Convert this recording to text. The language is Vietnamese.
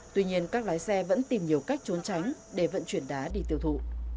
tuy nhiên các lái xe vẫn tìm nhiều cách trốn tránh để vận chuyển đá đi tiêu thụ